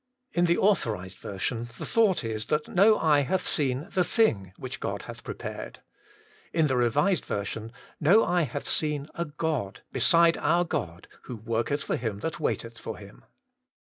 In the A.V. the thought is, that no eye hath seen the thing which God hath prepared In the R.y. no eye hath seen a God, beside our God, who worketh for him that waiteth for Him.